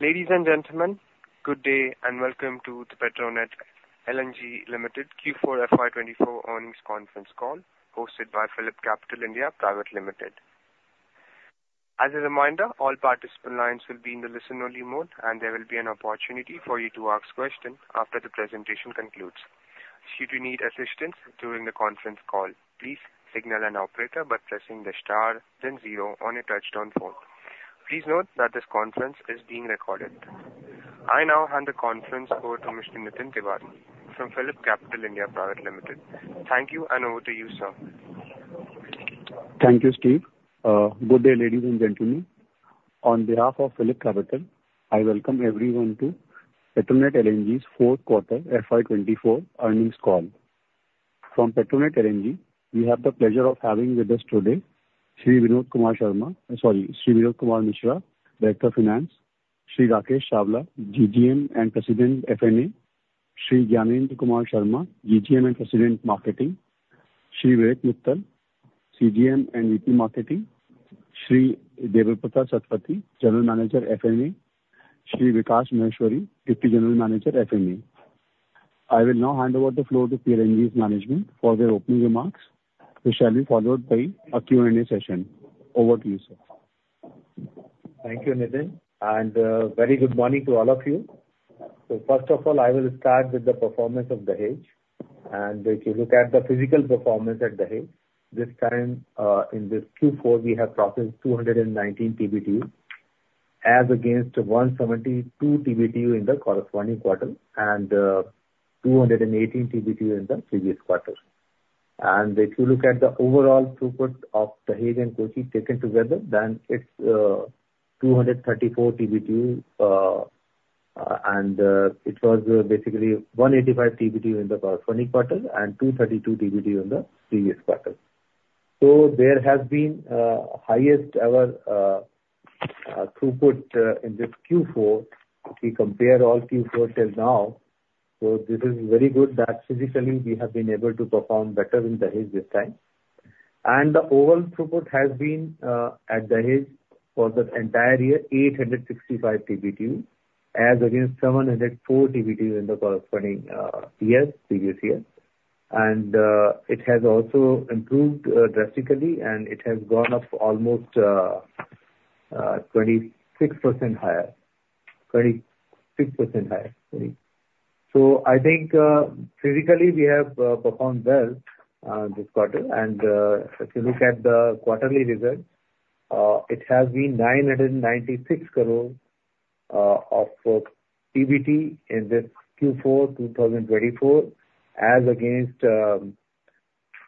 Ladies and gentlemen, good day, and welcome to the Petronet LNG Limited Q4 FY 2024 earnings conference call, hosted by PhillipCapital (India) Private Limited. As a reminder, all participant lines will be in the listen-only mode, and there will be an opportunity for you to ask questions after the presentation concludes. Should you need assistance during the conference call, please signal an operator by pressing the star then zero on your touchtone phone. Please note that this conference is being recorded. I now hand the conference over to Mr. Nitin Tiwari from PhillipCapital (India) Private Limited. Thank you, and over to you, sir. Thank you, Steve. Good day, ladies and gentlemen. On behalf of PhillipCapital, I welcome everyone to Petronet LNG's Q4 FY 2024 earnings call. From Petronet LNG, we have the pleasure of having with us today, Shri Vinod Kumar Mishra, Director of Finance, Shri Rakesh Chawla, GGM & President, Finance & Accounts, Shri Gyanendra Kumar Sharma, GGM & President, Marketing, Shri Vivek Mittal, CGM and Vice President, Marketing, Shri Debabrata Satpathy, General Manager, Finance & Accounts, Shri Vikas Maheshwari, Deputy General Manager, Finance & Accounts. I will now hand over the floor to PLL's management for their opening remarks, which shall be followed by a Q&A session. Over to you, sir. Thank you, Nitin, and, very good morning to all of you. So first of all, I will start with the performance of Dahej. And if you look at the physical performance at Dahej, this time, in this Q4, we have processed 219 TBTU, as against 172 TBTU in the corresponding quarter, and, 218 TBTU in the previous quarter. And if you look at the overall throughput of Dahej and Kochi taken together, then it's, 234 TBTU, and, it was, basically 185 TBTU in the corresponding quarter, and 232 TBTU in the previous quarter. So there has been, highest ever, throughput, in this Q4. We compare all Q4 till now, so this is very good that physically we have been able to perform better in Dahej this time. The overall throughput has been at Dahej for the entire year 865 TBTU, as against 704 TBTU in the corresponding previous year. It has also improved drastically, and it has gone up almost 26% higher, 26% higher. So I think physically we have performed well this quarter, and if you look at the quarterly results, it has been 996 crore of PBT in this Q4 2024, as against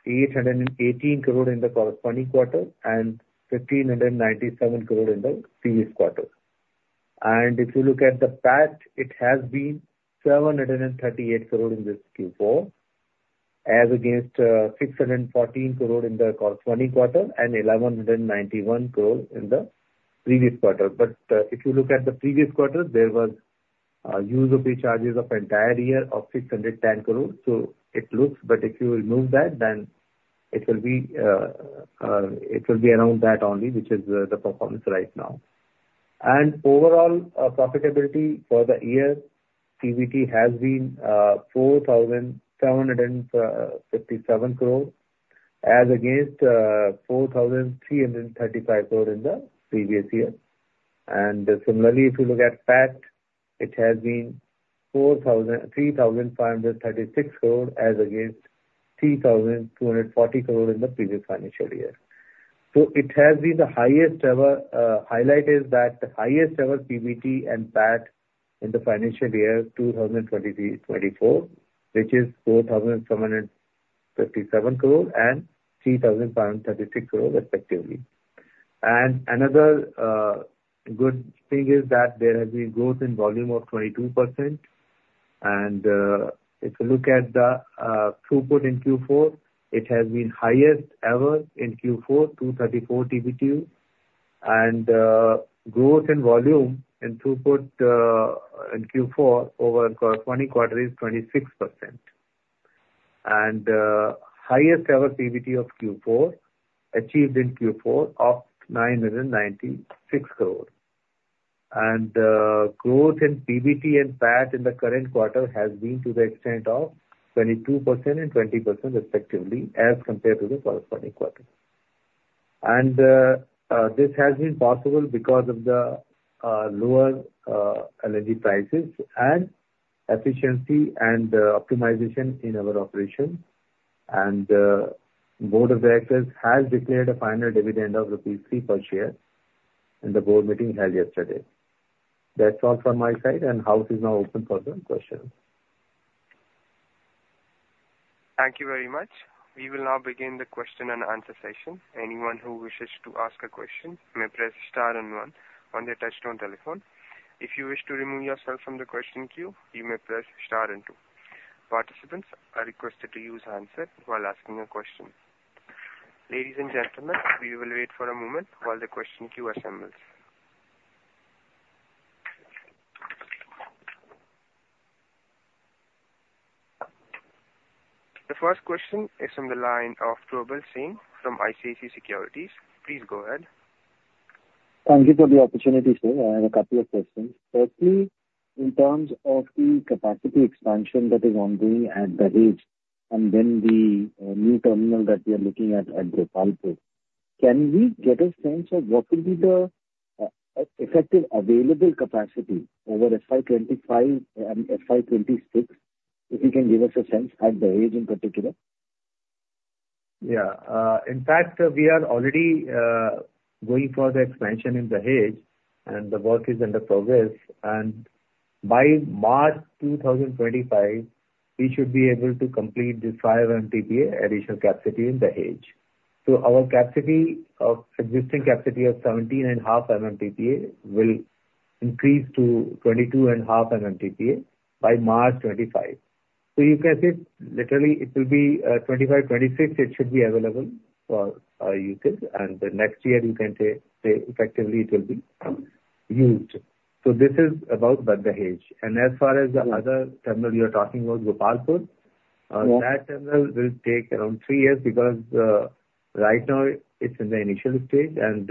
818 crore in the corresponding quarter, and 1,597 crore in the previous quarter. And if you look at the PAT, it has been 738 crore in this Q4, as against, 614 crore in the corresponding quarter, and 1,191 crore in the previous quarter. But, if you look at the previous quarter, there was, Use-or-Pay charges of entire year of 610 crore, so it looks... But if you remove that, then it will be, it will be around that only, which is, the performance right now. And overall, profitability for the year, PBT has been, 4,757 crore, as against, 4,335 crore in the previous year. Similarly, if you look at PAT, it has been 3,536 crore, as against 3,240 crore in the previous financial year. So it has been the highest ever. Highlight is that the highest ever PBT and PAT in the financial year 2023, 2024, which is 4,757 crore and 3,536 crore respectively. Another good thing is that there has been growth in volume of 22%. If you look at the throughput in Q4, it has been highest ever in Q4, 234 TBTU. Growth in volume and throughput in Q4 over corresponding quarter is 26%. Highest ever PBT of Q4, achieved in Q4 of 996 crore. Growth in PBT and PAT in the current quarter has been to the extent of 22% and 20% respectively, as compared to the corresponding quarter. This has been possible because of the lower LNG prices, and efficiency, and optimization in our operation. The board of directors has declared a final dividend of rupees 3 per share, and the board meeting held yesterday. That's all from my side, and house is now open for the questions. Thank you very much. We will now begin the question and answer session. Anyone who wishes to ask a question may press star and one on their touchtone telephone. If you wish to remove yourself from the question queue, you may press star and two. Participants are requested to use handset while asking a question. Ladies and gentlemen, we will wait for a moment while the question queue assembles.... The first question is from the line of Probal Sen from ICICI Securities. Please go ahead. Thank you for the opportunity, sir. I have a couple of questions. Firstly, in terms of the capacity expansion that is ongoing at Dahej, and then the new terminal that we are looking at, at Gopalpur, can we get a sense of what will be the effective available capacity over FY 2025 and FY 2026? If you can give us a sense, at Dahej in particular. Yeah. In fact, we are already going for the expansion in Dahej, and the work is under progress, and by March 2025, we should be able to complete this 5 MTPA additional capacity in Dahej. So our capacity of, existing capacity of 17.5 MTPA will increase to 22.5 MTPA by March 2025. So you can say literally it will be, 2025, 2026, it should be available for, usage, and the next year you can say, say, effectively it will be, used. So this is about the Dahej. And as far as the other terminal you're talking about, Gopalpur- Yeah. That terminal will take around 3 years, because right now it's in the initial stage, and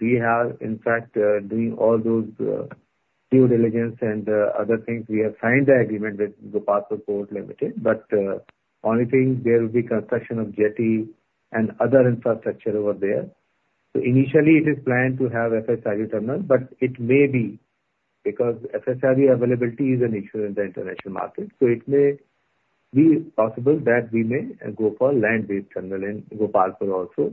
we have in fact doing all those due diligence and other things. We have signed the agreement with Gopalpur Ports Limited, but only thing, there will be construction of jetty and other infrastructure over there. So initially it is planned to have FSRU terminal, but it may be because FSRU availability is an issue in the international market, so it may be possible that we may go for land-based terminal in Gopalpur also.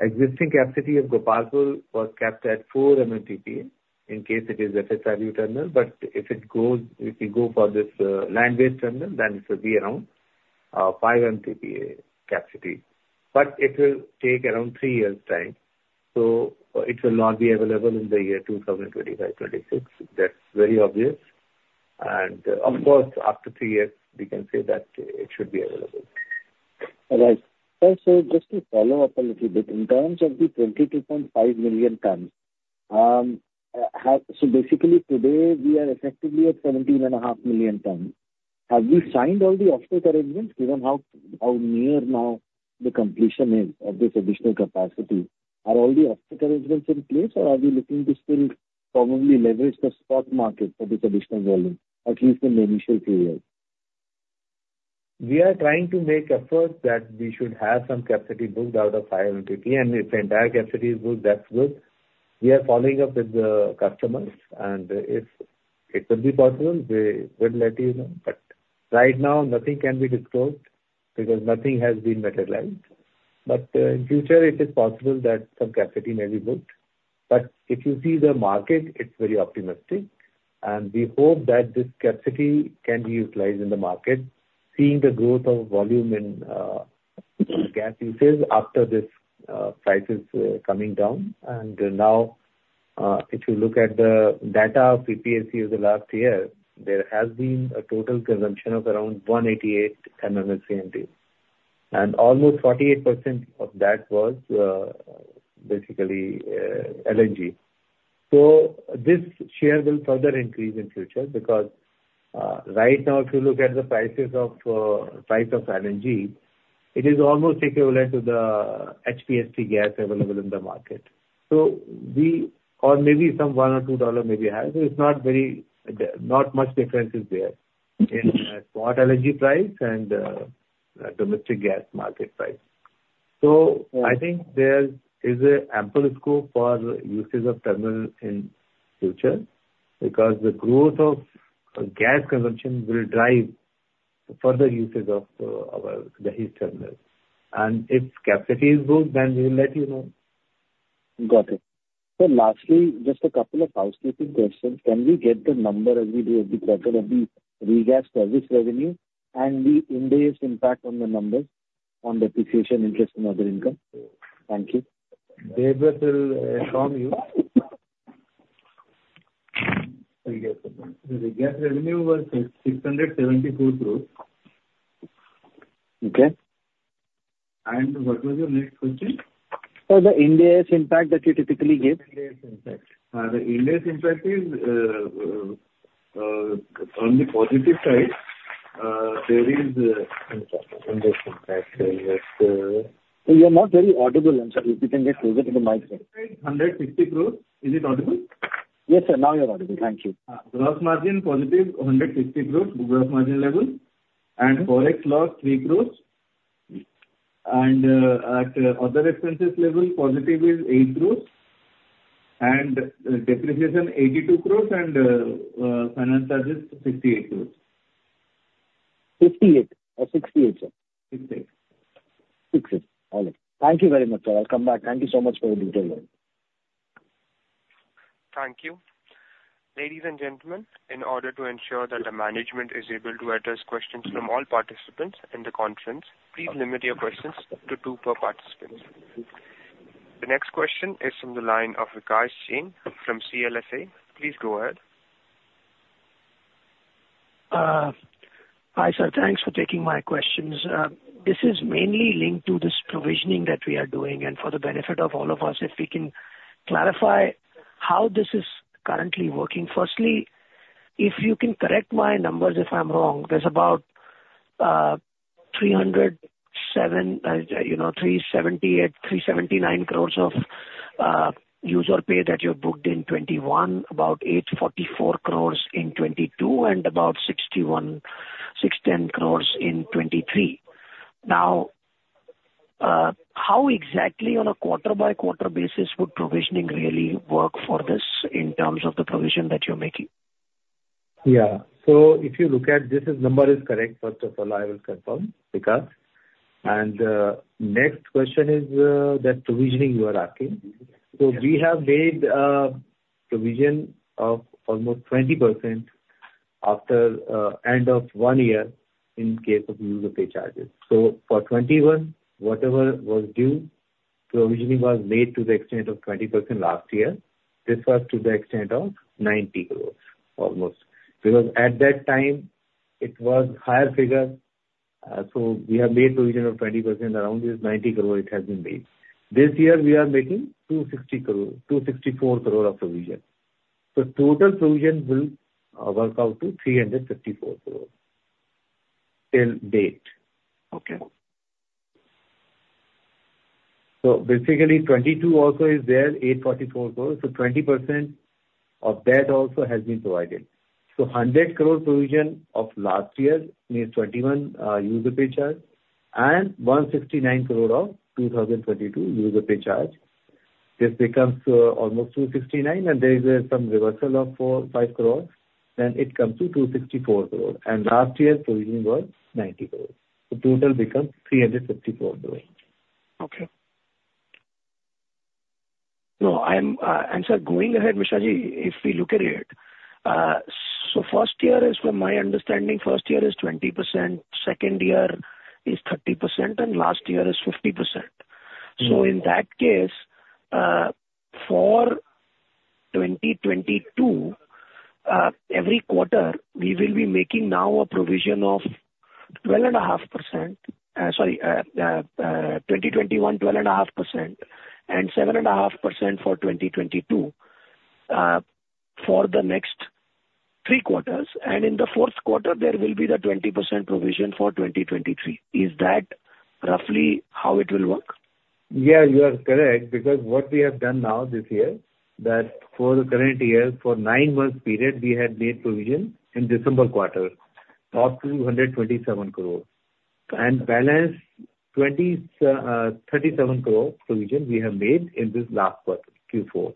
Existing capacity of Gopalpur was capped at 4 MTPA, in case it is FSRU terminal, but if it goes, if we go for this land-based terminal, then it will be around 5 MTPA capacity. But it will take around three years' time, so it will not be available in the year 2025, 2026. That's very obvious. And of course, after three years, we can say that it should be available. All right. Also, just to follow up a little bit, in terms of the 22.5 million tons. So basically today we are effectively at 17.5 million tons. Have we signed all the offtake arrangements, given how near now the completion is of this additional capacity? Are all the offtake arrangements in place, or are we looking to still probably leverage the spot market for this additional volume, at least in the initial three years? We are trying to make efforts that we should have some capacity booked out of 5 MTPA, and if the entire capacity is booked, that's good. We are following up with the customers, and if it will be possible, we will let you know. But right now nothing can be disclosed, because nothing has been materialized. But in future it is possible that some capacity may be booked. But if you see the market, it's very optimistic, and we hope that this capacity can be utilized in the market, seeing the growth of volume in gas usage after this prices coming down. And now, if you look at the data of PPAC of the last year, there has been a total consumption of around 188 MMSCMD, and almost 48% of that was basically LNG. This share will further increase in future because right now, if you look at the price of LNG, it is almost equivalent to the HP-HT gas available in the market. Or maybe some $1 or $2 higher. So it's not very, not much difference is there. Mm-hmm. - in, spot LNG price and, domestic gas market price. So- Yeah. I think there is an ample scope for usage of terminal in future, because the growth of gas consumption will drive further usage of our Dahej terminal. If capacity is booked, then we will let you know. Got it. So lastly, just a couple of housekeeping questions. Can we get the number as we do every quarter, of the regas service revenue and the Ind AS impact on the numbers on depreciation, interest and other income? Thank you. Debabrata will inform you. Regas revenue. The regas revenue was INR 670 crore. Okay. What was your next question? Sir, the Ind AS impact that you typically give. Ind AS impact. The Ind AS impact is, on the positive side, there is impact- Impact, You are not very audible, I'm sorry. If you can get closer to the mic. 160 crore. Is it audible? Yes, sir. Now you are audible. Thank you. Gross margin positive, 160 crore, gross margin level, and Forex loss, 3 crore. And, at other expenses level, positive is 8 crore, and, depreciation, 82 crore, and, finance charges, 58 crore. 58 or 68, sir? Fifty-eight. 68. All right. Thank you very much, sir. I'll come back. Thank you so much for the detail though. Thank you. Ladies and gentlemen, in order to ensure that the management is able to address questions from all participants in the conference, please limit your questions to two per participant. The next question is from the line of Vikas Singh from CLSA. Please go ahead. Hi, sir. Thanks for taking my questions. This is mainly linked to this provisioning that we are doing, and for the benefit of all of us, if we can clarify how this is currently working. Firstly-... If you can correct my numbers if I'm wrong, there's about 307, you know, 378, 379 crore of Use-or-Pay that you've booked in 2021, about 844 crore in 2022, and about 610 crore in 2023. Now, how exactly on a quarter-by-quarter basis would provisioning really work for this in terms of the provision that you're making? Yeah. So if you look at, this number is correct, first of all, I will confirm, Vikas. And, next question is, that provisioning you are asking. So we have made, provision of almost 20% after, end of one year in case of Use-or-Pay charges. So for 2021, whatever was due, provisioning was made to the extent of 20% last year. This was to the extent of almost 90 crore. Because at that time it was higher figure, so we have made provision of 20%. Around this 90 crore it has been made. This year we are making 260 crore, 264 crore of provision. So total provision will, work out to 354 crore till date. Okay. So basically, 2022 also is there, 844 crore. So 20% of that also has been provided. So 100 crore provision of last year, means 2021, Use-or-Pay charge, and 169 crore of 2022 Use-or-Pay charge. This becomes almost 269, and there is some reversal of 4 crore-5 crore, then it comes to 264 crore. And last year's provision was 90 crore. The total becomes 354 crore. Okay. No, and so going ahead, Vikasji, if we look at it, so first year is, from my understanding, first year is 20%, second year is 30%, and last year is 50%. Mm-hmm. So in that case, for 2022, every quarter, we will be making now a provision of 12.5%. Sorry, 2021, 12.5%, and 7.5% for 2022, for the next three quarters, and in the Q4, there will be the 20% provision for 2023. Is that roughly how it will work? Yeah, you are correct, because what we have done now this year, that for the current year, for nine months period, we had made provision in December quarter of 227 crore. And balance thirty-seven crore provision we have made in this last quarter, Q4.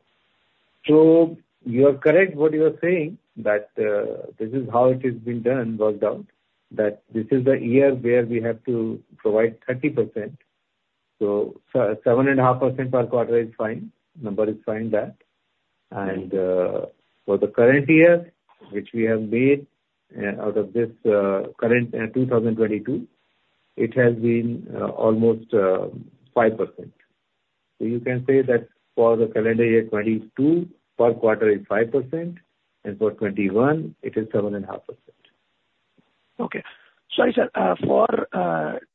So you are correct what you are saying, that this is how it has been done, worked out, that this is the year where we have to provide 30%. So seven and a half percent per quarter is fine, number is fine that. And for the current year, which we have made, out of this current 2022, it has been almost five percent. So you can say that for the calendar year 2022, per quarter is 5%, and for 2021, it is 7.5%. Okay. Sorry, sir, for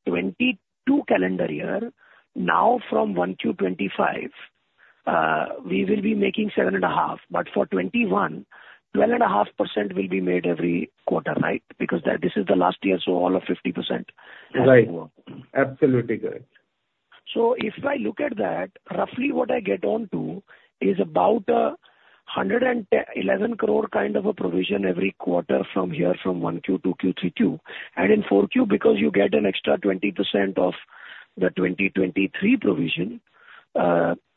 2022 calendar year, now from 2021 to 2025, we will be making 7.5, but for 2021, 12.5% will be made every quarter, right? Because that, this is the last year, so all of 50%. Right. Absolutely correct. So if I look at that, roughly what I get on to is about 111 crore kind of a provision every quarter from here, from Q1, Q2, Q3. And in Q4, because you get an extra 20% of the 2023 provision,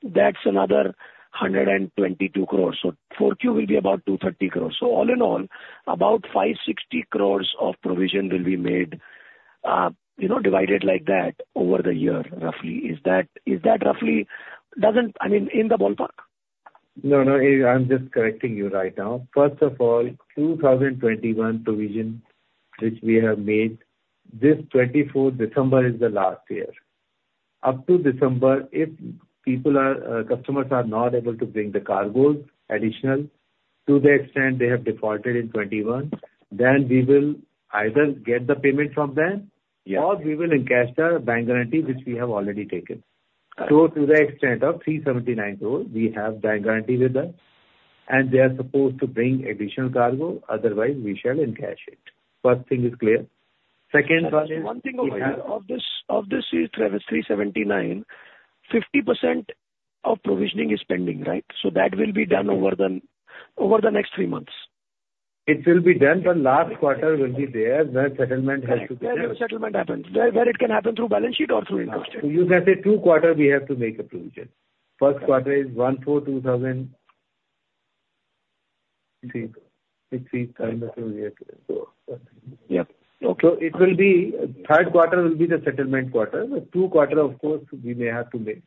that's another 122 crore. So Q4 will be about 230 crore. So all in all, about 560 crore of provision will be made, you know, divided like that over the year, roughly. Is that, is that roughly, doesn't... I mean, in the ballpark? No, no, I'm just correcting you right now. First of all, 2021 provision, which we have made, this 24th December is the last year. Up to December, if people are, customers are not able to bring the cargo, additional, to the extent they have defaulted in '21, then we will either get the payment from them- Yeah. - or we will encash the bank guarantee, which we have already taken. Got it. To the extent of 379 crore, we have bank guarantee with us, and they are supposed to bring additional cargo, otherwise we shall encash it. First thing is clear. Second one is we have- One thing of this is 379, 50% of provisioning is pending, right? So that will be done over the next 3 months. It will be done, the last quarter will be there, where settlement has to be done. Correct, where the settlement happens, where it can happen through balance sheet or through interest. You can say 2Q, we have to make a provision. Q1 is 1,400- 2,000, 3.3, kind of, so yeah. Yeah. Okay. So it will be, Q3 will be the settlement quarter. The two quarter, of course, we may have to make.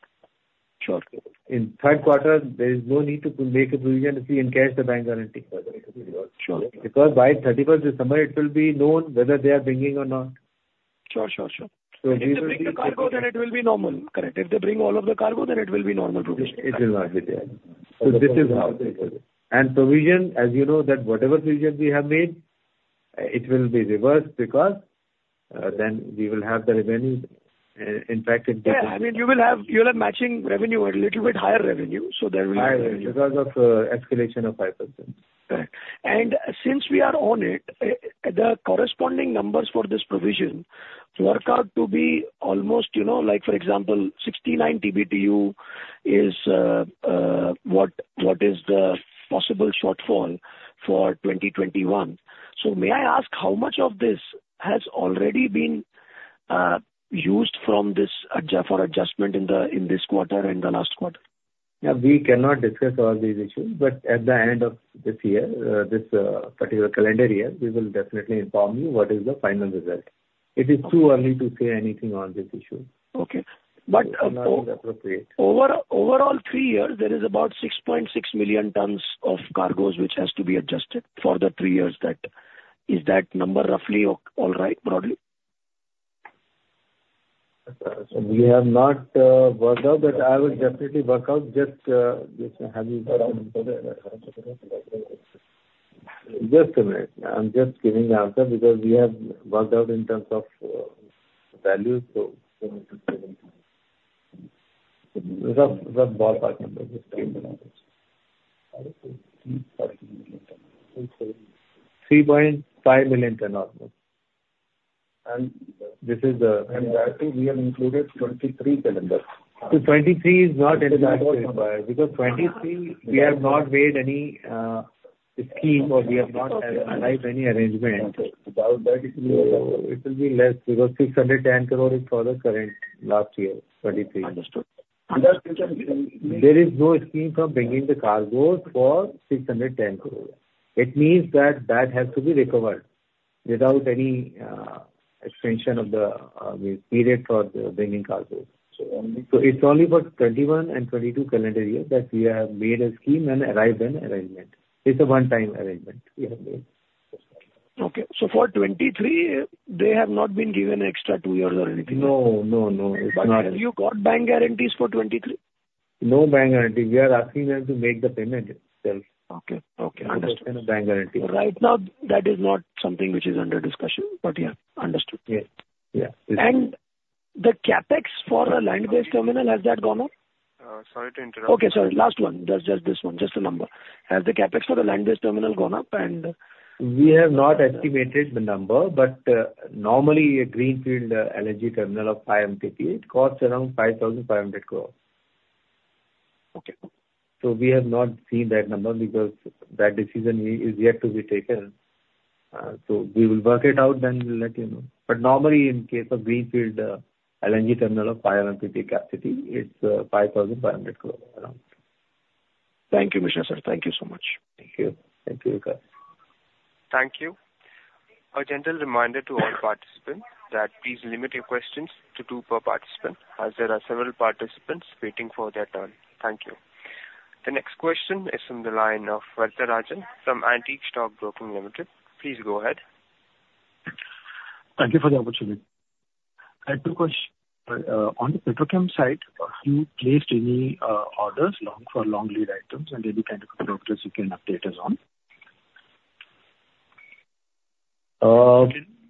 Sure. In Q3, there is no need to make a provision if we encash the bank guarantee for the Sure. Because by thirty-first December, it will be known whether they are bringing or not. Sure, sure, sure. So we will be- If they bring the cargo, then it will be normal. Correct. If they bring all of the cargo, then it will be normal provision. It will not be there. So this is how. And provision, as you know, that whatever provision we have made... It will be reversed because, then we will have the revenue impacted. Yeah, I mean, you will have, you'll have matching revenue, a little bit higher revenue, so there will be- Higher because of escalation of 5%. Correct. And since we are on it, the corresponding numbers for this provision work out to be almost, you know, like, for example, 69 TBTU is what is the possible shortfall for 2021. So may I ask how much of this has already been used from this adjustment in the, in this quarter and the last quarter? Yeah, we cannot discuss all these issues, but at the end of this year, this particular calendar year, we will definitely inform you what is the final result. It is too early to say anything on this issue. Okay. But- It's not appropriate. Overall, three years, there is about 6.6 million tons of cargoes which has to be adjusted for the three years that... Is that number roughly okay—all right, broadly? We have not worked out, but I will definitely work out. Just a minute. I'm just giving the answer because we have worked out in terms of values. So, 3.5 million ton. And- This is the- That we have included 23 calendar. 2023 is not entitled, because 2023 we have not made any scheme, or we have not arrived any arrangement. Okay. Without that, it will, it will be less because 610 crore is for the current last year, 2023. Understood. There is no scheme for bringing the cargoes for 610 crore. It means that has to be recovered without any extension of the period for bringing cargoes. So only- It's only for 2021 and 2022 calendar year that we have made a scheme and arrived an arrangement. It's a one-time arrangement we have made. Okay. So for 2023, they have not been given extra two years or anything? No, no, no, it's not. You got bank guarantees for 2023? No bank guarantee. We are asking them to make the payment themselves. Okay. Okay. Understood. bank guarantee. Right now, that is not something which is under discussion, but yeah. Understood. Yes. Yeah. The CapEx for the land-based terminal, has that gone up? Sorry to interrupt. Okay, sorry. Last one. Just, just this one, just the number. Has the CapEx for the land-based terminal gone up and- We have not estimated the number, but, normally a greenfield LNG terminal of 5 MTPA, it costs around 5,500 crore. Okay. So we have not seen that number because that decision is, is yet to be taken. So we will work it out, then we'll let you know. But normally, in case of greenfield, LNG terminal of 5 MTPA capacity, it's 5,500 crore around. Thank you, Mishra sir. Thank you so much. Thank you. Thank you, Vikas. Thank you. A gentle reminder to all participants, that please limit your questions to two per participant, as there are several participants waiting for their turn. Thank you. The next question is from the line of Varatharajan from Antique Stock Broking Limited. Please go ahead. Thank you for the opportunity. I have two questions on the petrochem side, have you placed any orders for long-lead items? And any kind of updates you can update us on?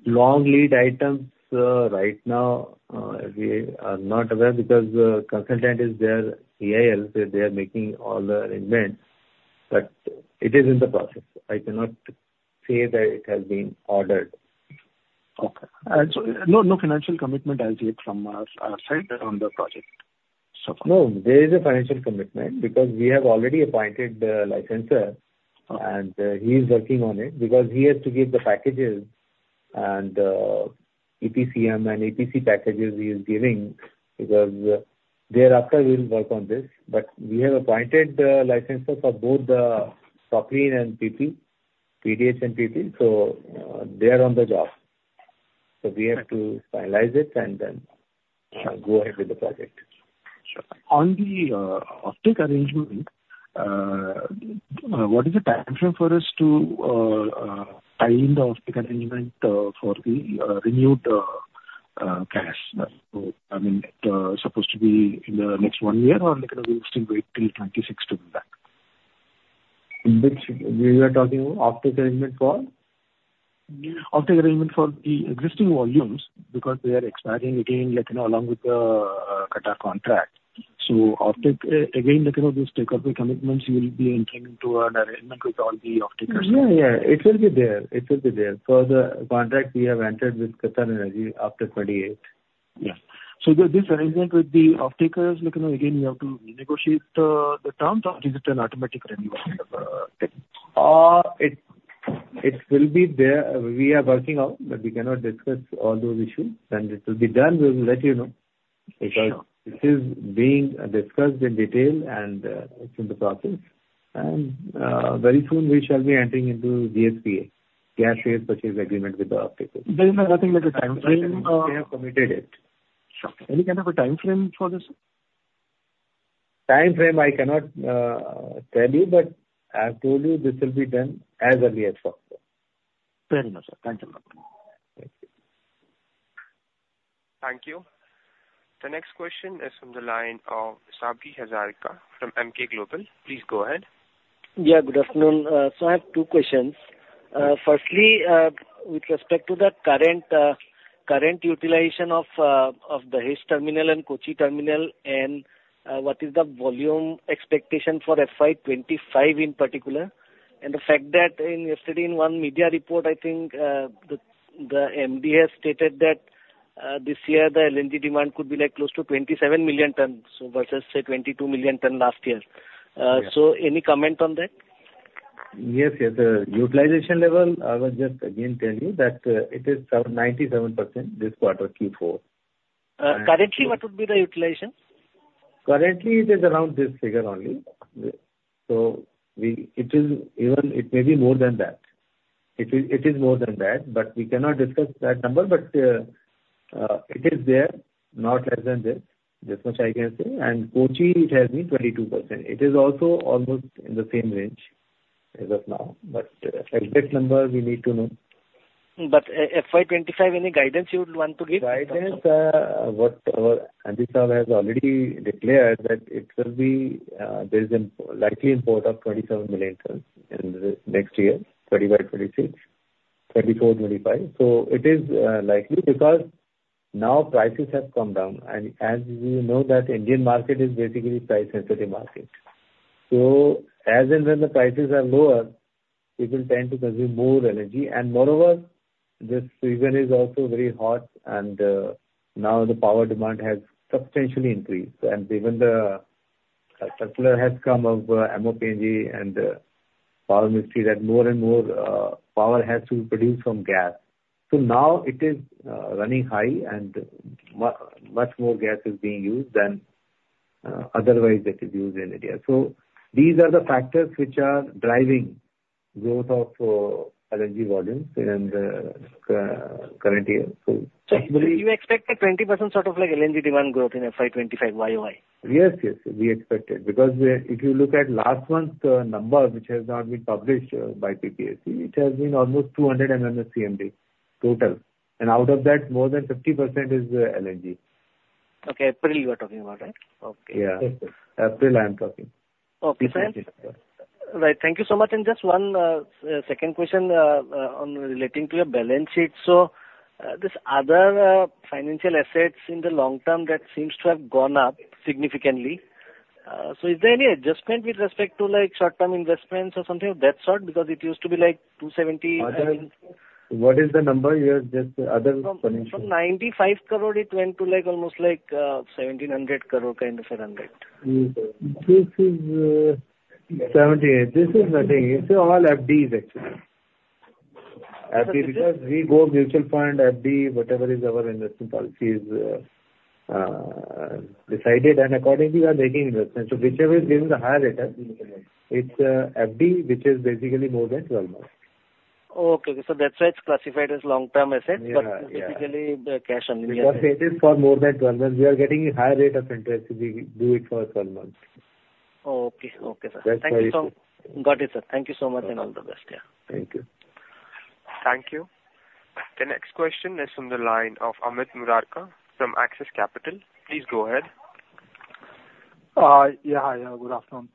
Long lead items, right now, we are not aware because the consultant is there, EIL, they are making all the arrangements, but it is in the process. I cannot say that it has been ordered. Okay. And so no, no financial commitment as yet from, our side around the project, so far? No, there is a financial commitment because we have already appointed the licensor- Okay. He is working on it, because he has to give the packages, and EPCM and EPC packages he is giving, because thereafter we will work on this. But we have appointed licensor for both the propane and PP, PDH and PP, so they are on the job. So we have to finalize it and then go ahead with the project. Sure. On the offtake arrangement, what is the timeframe for us to tie in the offtake arrangement for the renewed cash? I mean, it supposed to be in the next one year, or we can still wait till 2026 to be back? Which we are talking offtake arrangement for? Offtake arrangement for the existing volumes, because they are expiring again, like, you know, along with the Qatar contract. So offtake, again, like, you know, those take-up commitments, you will be entering into an arrangement with all the offtakers. Yeah, yeah, it will be there. It will be there for the contract we have entered with QatarEnergy after 2028. Yeah. This arrangement with the offtakers, like, you know, again, you have to renegotiate the terms, or is it an automatic renewal of it? It will be there. We are working out, but we cannot discuss all those issues. When it will be done, we will let you know. Sure. Because it is being discussed in detail and it's in the process. Very soon we shall be entering into GSPA, gas sales purchase agreement with the offtakers. There is nothing like a timeframe. We have committed it. Sure. Any kind of a timeframe for this? Timeframe I cannot tell you, but I have told you this will be done as early as possible. Very well, sir. Thank you very much. Thank you. The next question is from the line of Sabri Hazarika from Emkay Global. Please go ahead. Yeah, good afternoon. So I have two questions. Yeah. Firstly, with respect to the current utilization of the Dahej terminal and Kochi terminal, and what is the volume expectation for FY 2025 in particular? The fact that yesterday in one media report, I think, the MD has stated that this year, the LNG demand could be like close to 27 million tons, so versus say, 22 million ton last year. Yeah. So any comment on that? Yes, yes. The utilization level, I will just again tell you that, it is around 97% this quarter, Q4. Currently, what would be the utilization? Currently, it is around this figure only. So, it is even, it may be more than that. It is, it is more than that, but we cannot discuss that number. But, it is there, not less than this, that much I can say. Kochi, it has been 22%. It is also almost in the same range as of now, but, we need to know. But, FY 2025, any guidance you would want to give? Guidance, what our PPAC has already declared that it will be, there is a likely import of 27 million tons in the next year, 2025-2026, 2024-2025. So it is likely because now prices have come down, and as we know, that Indian market is basically price-sensitive market. So as and when the prices are lower, people tend to consume more energy. And moreover, this season is also very hot, and now the power demand has substantially increased. And even the advisory has come from MoPNG and power ministry that more and more power has to be produced from gas. So now it is running high, and much more gas is being used than otherwise it is used in India. So these are the factors which are driving growth of LNG volumes in the current year. So basically- So you expect a 20% sort of like LNG demand growth in FY 2025, YOY? Yes, yes, we expect it, because we, if you look at last month's number, which has now been published by PPAC, it has been almost 200 MMSCMD total, and out of that, more than 50% is LNG. Okay. April, you are talking about, right? Okay. Yeah. April, I'm talking. Okay, sir. Yeah. Right. Thank you so much, and just one second question on relating to your balance sheet. So, this other financial assets in the long term, that seems to have gone up significantly. So is there any adjustment with respect to, like, short-term investments or something of that sort? Because it used to be, like, 270 crore What is the number you have just other coming? From 95 crore, it went to, like, almost like, 1,700 crore, kind of 700. This is nothing. It's all FDs, actually. FDs. Because we go mutual fund, FD, whatever is our investment policies, decided, and accordingly, we are making investments. So whichever is giving the higher return, it's FD, which is basically more than twelve months. Okay. So that's why it's classified as long-term assets- Yeah, yeah. But basically the cash on hand. Because it is for more than 12 months, we are getting a higher rate of interest, we do it for 12 months. Oh, okay. Okay, sir. That's why. Thank you. Got it, sir. Thank you so much, and all the best. Yeah. Thank you. Thank you. The next question is from the line of Amit Murarka from Axis Capital. Please go ahead. Good afternoon.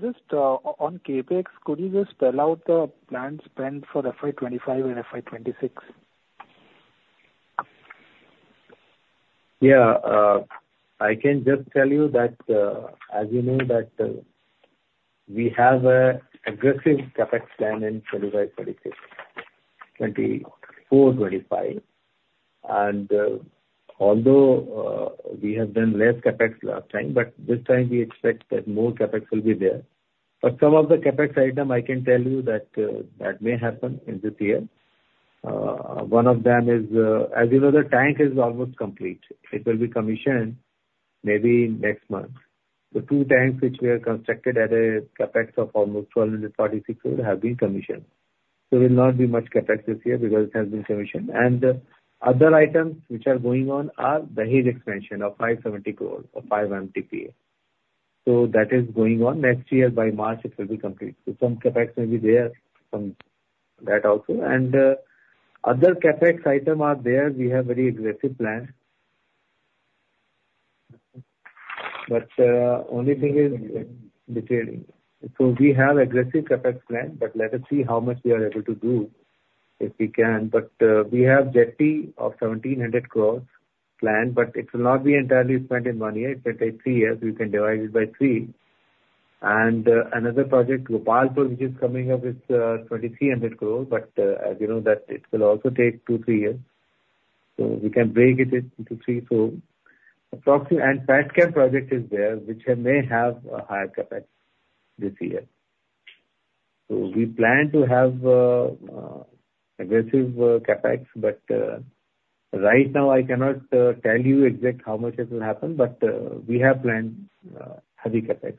Just on CapEx, could you just spell out the planned spend for FY 2025 and FY 2026? Yeah, I can just tell you that, as you know, that, we have a aggressive CapEx plan in 2025/2026, 2024/2025. And, although, we have done less CapEx last time, but this time we expect that more CapEx will be there. But some of the CapEx item, I can tell you that, that may happen in this year. One of them is, as you know, the tank is almost complete. It will be commissioned maybe next month. The two tanks which we have constructed at a CapEx of almost 12.46 crore have been commissioned. So will not be much CapEx this year because it has been commissioned. And the other items which are going on are the third expansion of 570 crore, or 5 MTPA. So that is going on. Next year, by March, it will be complete. So some CapEx may be there, from that also. And other CapEx items are there. We have very aggressive plans. But only thing is detailing. So we have aggressive CapEx plan, but let us see how much we are able to do, if we can. But we have jetty of 1,700 crore planned, but it will not be entirely spent in one year. It will take three years. We can divide it by three. And another project, Gopalpur, which is coming up, it's 3,300 crore, but as you know, that it will also take two, three years, so we can break it into three. So approximately and Petchem project is there, which may have a higher CapEx this year. We plan to have aggressive CapEx, but right now, I cannot tell you exact how much it will happen, but we have planned heavy CapEx.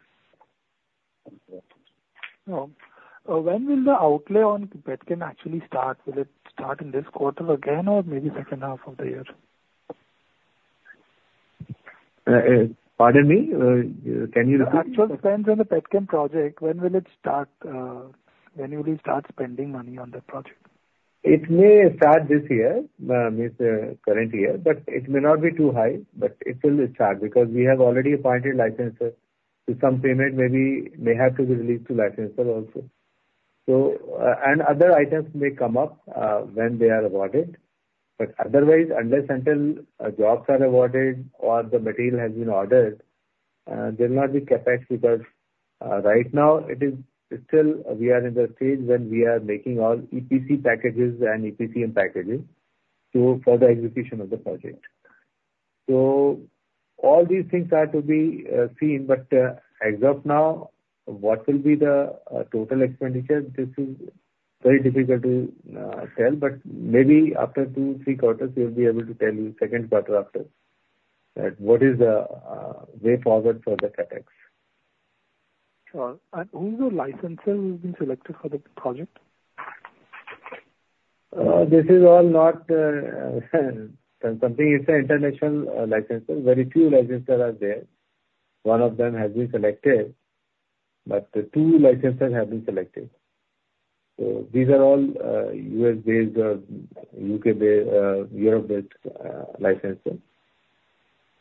When will the outlay on Petchem actually start? Will it start in this quarter again, or maybe second half of the year?... Pardon me, can you repeat? Actual spends on the Petchem project, when will it start, when will you start spending money on that project? It may start this year, means current year, but it may not be too high, but it will start, because we have already appointed licensor, so some payment maybe may have to be released to licensor also. So, and other items may come up, when they are awarded. But otherwise, unless until jobs are awarded or the material has been ordered, there'll not be CapEx, because right now it is still we are in the stage when we are making all EPC packages and EPCM packages, so for the execution of the project. So all these things are to be seen, but as of now, what will be the total expenditure? This is very difficult to tell, but maybe after two, three quarters, we'll be able to tell you, Q2 after, right, what is the way forward for the CapEx. Sure. And who is the licensor who's been selected for the project? This is all not something, it's an international licensor. Very few licensor are there. One of them has been selected, but two licensors have been selected. So these are all US-based, UK-based, Europe-based licensors.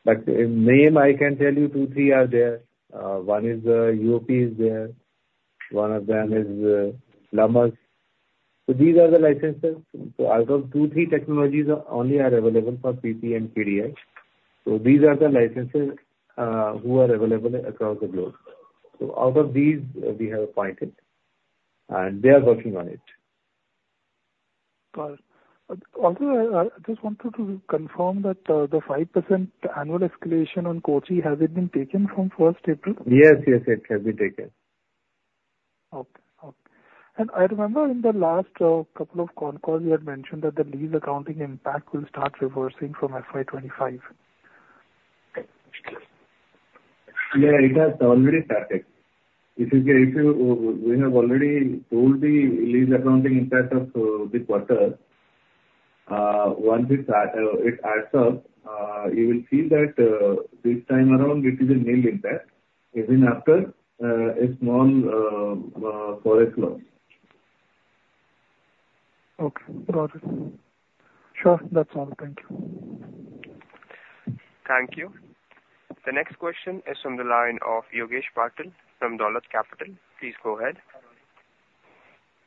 But in name, I can tell you two, three are there. One is UOP is there, one of them is Lummus. So these are the licensors. So out of two, three technologies are only available for PP and PDH. So these are the licensors who are available across the globe. So out of these, we have appointed, and they are working on it. Got it. Also, I, I just wanted to confirm that, the 5% annual escalation on Kochi, has it been taken from first April? Yes, yes, it has been taken. Okay. Okay. And I remember in the last couple of concalls, you had mentioned that the lease accounting impact will start reversing from FY 2025. Yeah, it has already started. If you, we have already told the lease accounting impact of the quarter, once it adds up, you will see that, this time around, it is a nil impact, even after a small Forex loss. Okay, got it. Sure, that's all. Thank you. Thank you. The next question is from the line of Yogesh Patil from Dolat Capital. Please go ahead.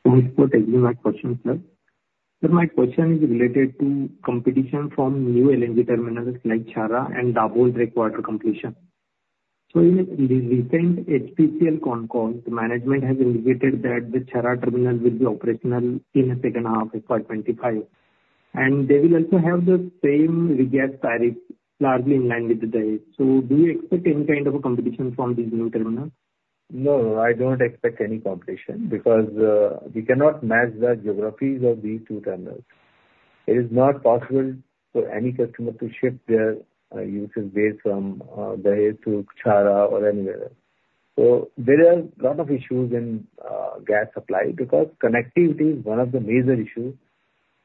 Thank you for taking my question, sir. So my question is related to competition from new LNG terminals, like Chhara and Dabhol breakwater completion. So in the recent HPCL concall, the management has indicated that the Chhara terminal will be operational in the second half of FY 2025, and they will also have the same regas tariff, largely in line with Dahej. So do you expect any kind of a competition from these new terminals? No, I don't expect any competition, because we cannot match the geographies of these two terminals. It is not possible for any customer to ship their usage base from Dahej to Chhara or anywhere. So there are lot of issues in gas supply, because connectivity is one of the major issues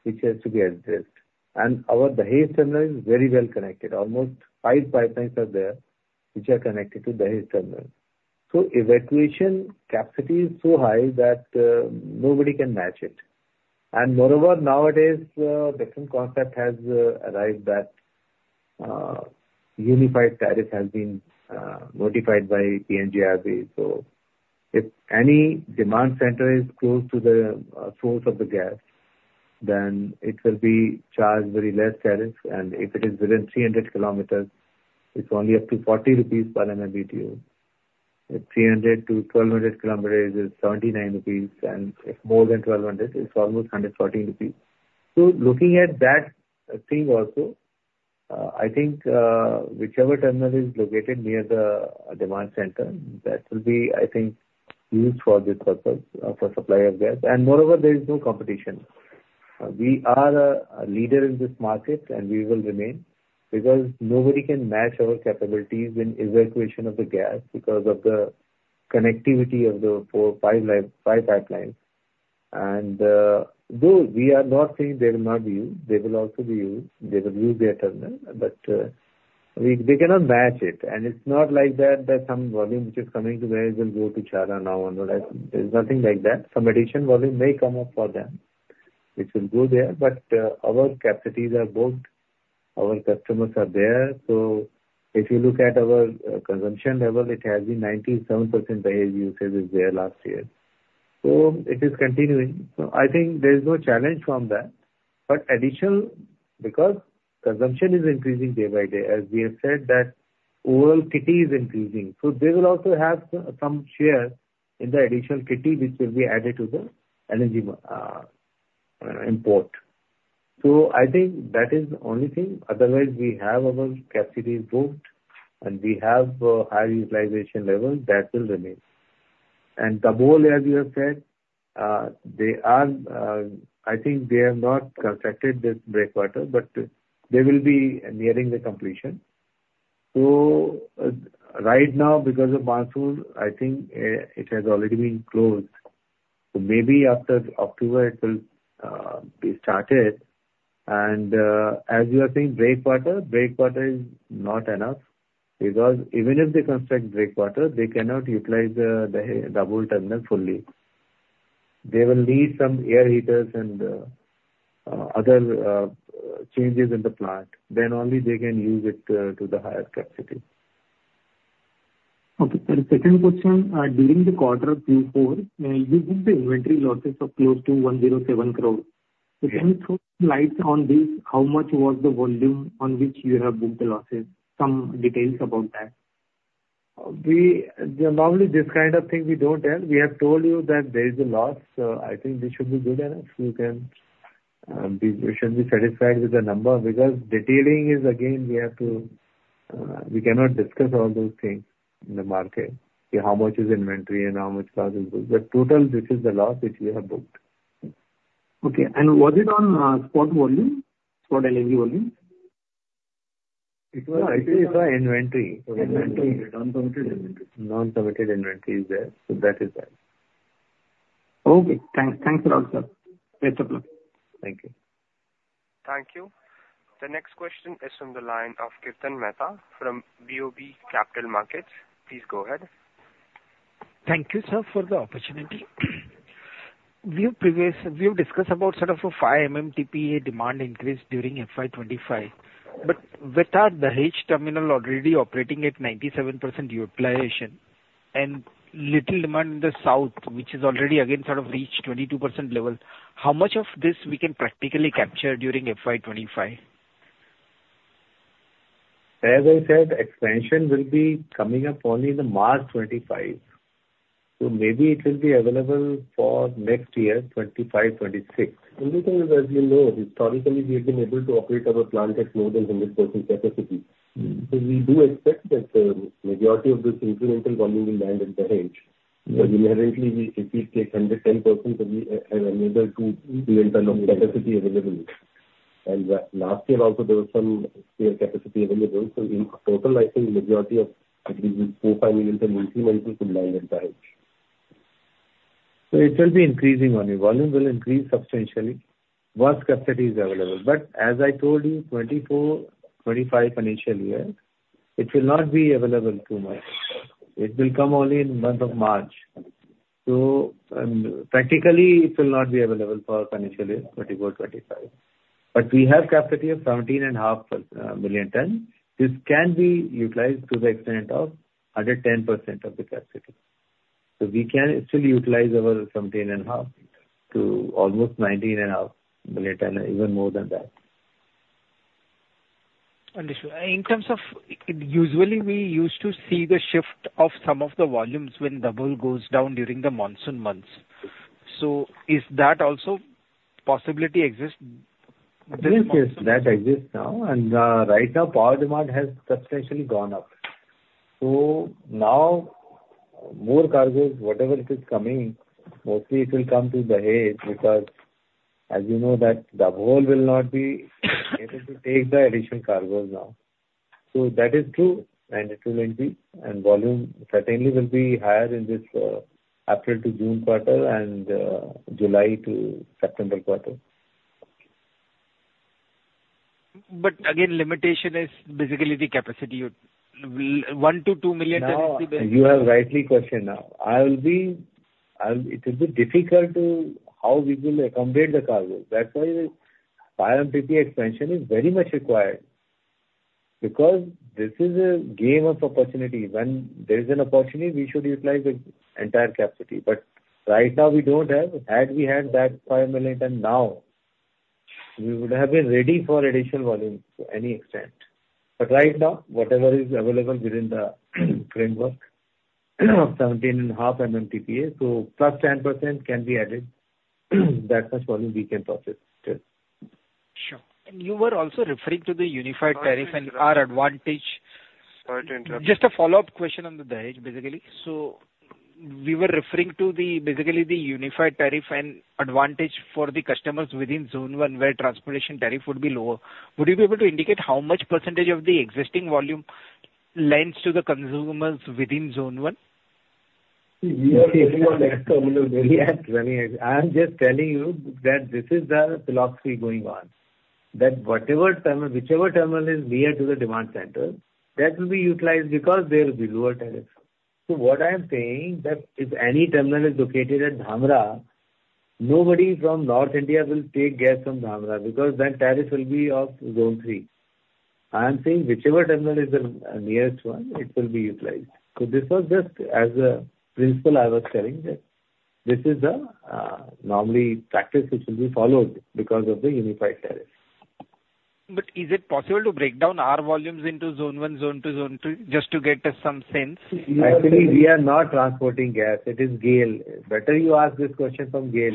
which has to be addressed. And our Dahej terminal is very well connected. Almost 5 pipelines are there, which are connected to Dahej terminal. So evacuation capacity is so high that nobody can match it. And moreover, nowadays, different concept has arrived that Unified Tariff has been notified by PNGRB. So if any demand center is close to the source of the gas, then it will be charged very less tariff, and if it is within 300 kilometers, it's only up to 40 rupees per MMBTU. At 300-1200 kilometers, it is 79 rupees, and if more than 1200, it's almost 114 rupees. So looking at that thing also, I think, whichever terminal is located near the demand center, that will be, I think, used for this purpose, for supply of gas. And moreover, there is no competition. We are a leader in this market, and we will remain, because nobody can match our capabilities in evacuation of the gas because of the connectivity of the four pipeline, five pipelines. And, though we are not saying they will not be used, they will also be used. They will use the terminal, but, they cannot match it. And it's not like that, that some volume which is coming to Dahej will go to Chhara now onward. There's nothing like that. Some additional volume may come up for them, which will go there, but our capacities are booked, our customers are there. So if you look at our consumption level, it has been 97% Dahej usage is there last year. So it is continuing. So I think there is no challenge from that. But additional, because consumption is increasing day by day, as we have said, that overall kitty is increasing, so they will also have some, some share in the additional kitty, which will be added to the LNG import. So I think that is the only thing. Otherwise, we have our capacity booked, and we have a high utilization level, that will remain. And Dabhol, as you have said, they are... I think they have not constructed this breakwater, but they will be nearing the completion. So, right now, because of monsoon, I think, it has already been closed. So maybe after October it will be started. And, as you are saying, breakwater, breakwater is not enough, because even if they construct breakwater, they cannot utilize the Dahej terminal fully. They will need some air heaters and other changes in the plant, then only they can use it to the higher capacity. Okay. Then the second question, during the quarter Q4, you booked the inventory losses of close to 107 crore. Yes. Can you throw light on this? How much was the volume on which you have booked the losses? Some details about that. We normally, this kind of thing we don't tell. We have told you that there is a loss, so I think this should be good enough. You can, we should be satisfied with the number, because detailing is, again, we have to, we cannot discuss all those things in the market, okay, how much is inventory and how much loss is good. But total, this is the loss which we have booked. Okay. And was it on spot volume, spot LNG volume? It was actually for inventory. Inventory- Non-committed inventory. Non-committed inventory is there, so that is that. Okay, thanks. Thanks a lot, sir. Best of luck. Thank you. Thank you. The next question is from the line of Kirtan Mehta from BOB Capital Markets. Please go ahead. Thank you, sir, for the opportunity. We have discussed about sort of a 5 MMTPA demand increase during FY 2025. But with our Dahej terminal already operating at 97% utilization, and little demand in the south, which is already again sort of reached 22% level, how much of this we can practically capture during FY 2025? As I said, expansion will be coming up only in the March 2025, so maybe it will be available for next year, 2025, 2025. Only thing is, as you know, historically, we have been able to operate our plant at more than 100% capacity. Mm-hmm. We do expect that, majority of this incremental volume will land in Dahej. Mm-hmm. But inherently, we, if we take 110%, then we have another 2 million tons of capacity available. And last year also, there was some spare capacity available. So in total, I think, majority of at least 4-5 million tons monthly volumes will land in Dahej. It will be increasing only. Volume will increase substantially, once capacity is available. But as I told you, financial year 2024, 2025, it will not be available too much. It will come only in the month of March. So, practically, it will not be available for financial year 2024, 2025. But we have capacity of 17.5 per million ton. This can be utilized to the extent of 110% of the capacity. So we can actually utilize our 17.5 to almost 19.5 million ton, even more than that. Understood. In terms of... Usually, we used to see the shift of some of the volumes when the whole goes down during the monsoon months. So is that also possibility exist this month? Yes, yes, that exists now. And, right now, power demand has substantially gone up. So now, more cargoes, whatever it is coming, mostly it will coming to Dahej, because as you know that Dabhol will not be able to take the additional cargoes now. So that is true, and it will increase, and volume certainly will be higher in this, April to June quarter and, July to September quarter. But again, limitation is basically the capacity, 1-2 million tons will be- Now, you have rightly questioned now. I will—it will be difficult to how we will accommodate the cargo. That's why 5 MTPA expansion is very much required, because this is a game of opportunity. When there is an opportunity, we should utilize the entire capacity. But right now, we don't have. Had we had that 5 million ton now, we would have been ready for additional volume to any extent. But right now, whatever is available within the framework of 17.5 MMTPA, so +10% can be added. That much volume we can process, yes. Sure. And you were also referring to the unified tariff- Sorry to interrupt. and our advantage. Sorry to interrupt. Just a follow-up question on the Dahej, basically. So we were referring to the, basically, the Unified Tariff and advantage for the customers within Zone One, where transportation tariff would be lower. Would you be able to indicate how much percentage of the existing volume lends to the consumers within Zone One? We are very much external there. Yes. I am just telling you that this is the philosophy going on, that whatever terminal, whichever terminal is near to the demand center, that will be utilized because there will be lower tariff. So what I am saying, that if any terminal is located at Dhamra, nobody from North India will take gas from Dhamra, because then tariff will be of Zone Three. I am saying whichever terminal is the nearest one, it will be utilized. So this was just as a principle I was telling that this is the normal practice which will be followed because of the Unified Tariff. But is it possible to break down our volumes into Zone One, Zone Two, Zone Three, just to get some sense? Actually, we are not transporting gas. It is GAIL. Better you ask this question from GAIL,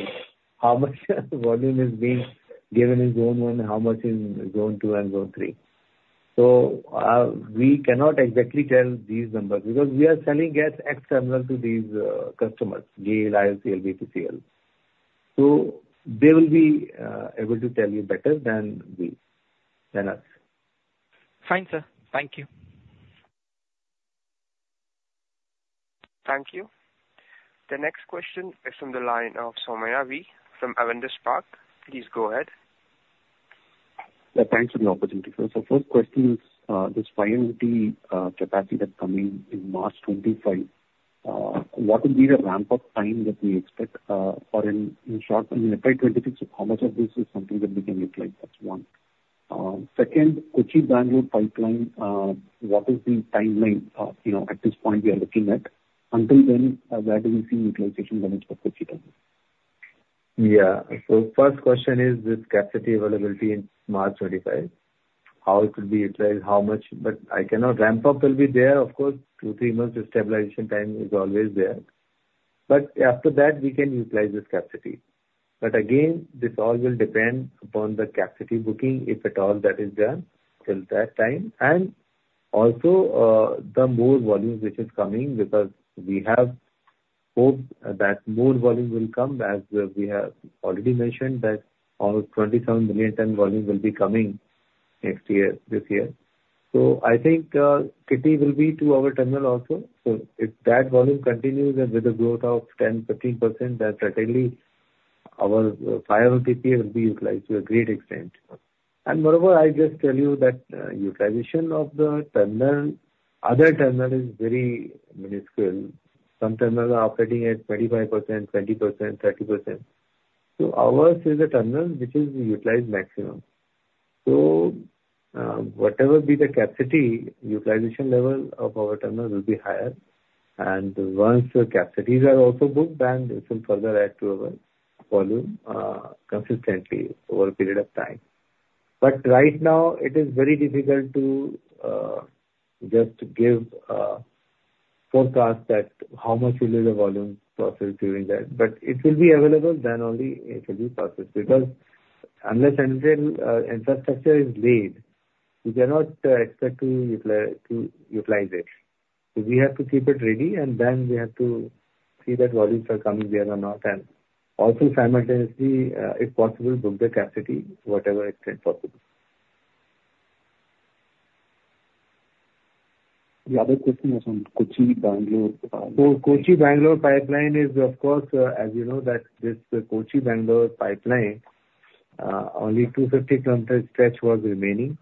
how much volume is being given in Zone One, how much in Zone Two and Zone Three. So, we cannot exactly tell these numbers, because we are selling gas external to these, customers, GAIL, IOCL, BPCL. So they will be, able to tell you better than we, than us. Fine, sir. Thank you. Thank you. The next question is from the line of Somaiah Valliyodia from Avendus Spark. Please go ahead. Yeah, thanks for the opportunity, sir. So first question is, this 5 MT capacity that's coming in March 2025, what will be the ramp-up time that we expect? Or, in short, in the FY 2026, how much of this is something that we can utilize? That's one. Second, Kochi, Bengaluru pipeline, what is the timeline that, you know, at this point we are looking at? Until then, where do we see utilization ramp for Kochi terminal? Yeah. So first question is with capacity availability in March 2025, how it will be utilized, how much... But I cannot ramp up will be there, of course, 2-3 months of stabilization time is always there. But after that, we can utilize this capacity. But again, this all will depend upon the capacity booking, if at all that is done till that time, and also, the more volume which is coming, because we have hoped that more volume will come, as we have already mentioned, that all 27 million ton volume will be coming next year, this year. So I think, kitty will be to our terminal also. So if that volume continues and with the growth of 10%-15%, that strategically our 5 MTPA will be utilized to a great extent. Moreover, I just tell you that utilization of the terminal, other terminal, is very minuscule. Some terminals are operating at 25%, 20%, 30%. So ours is a terminal which is utilized maximum. So, whatever be the capacity, utilization level of our terminal will be higher, and once the capacities are also booked, then this will further add to our volume, consistently over a period of time. But right now, it is very difficult to just give a forecast that how much will be the volume process during that, but it will be available, then only it will be processed. Because unless and until infrastructure is laid, we cannot expect to utilize it. So we have to keep it ready, and then we have to see that volumes are coming there or not, and also simultaneously, if possible, book the capacity, whatever extent possible. The other question was on Kochi, Bengaluru. So Kochi-Bengaluru pipeline is of course, as you know, that this Kochi-Bengaluru pipeline, only 250 kilometer stretch was remaining,